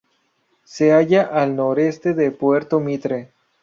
Se halla al noreste de Puerto Mitre.